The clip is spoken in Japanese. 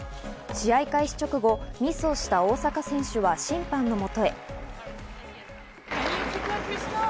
試合開始直後、ミスをした大坂選手は審判のもとへ。